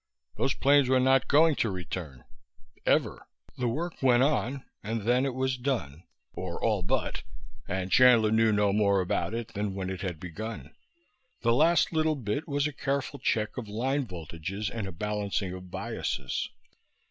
These planes were not going to return, ever. The work went on, and then it was done, or all but, and Chandler knew no more about it than when it was begun. The last little bit was a careful check of line voltages and a balancing of biases.